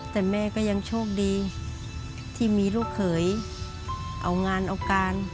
แต่แม่ก็ยังโชคดีที่มีลูกเขยเอางานเอาการ